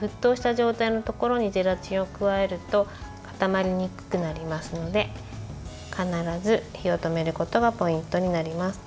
沸騰した状態のところにゼラチンを加えると固まりにくくなりますので必ず火を止めることがポイントになります。